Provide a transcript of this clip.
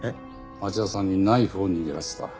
町田さんにナイフを握らせた。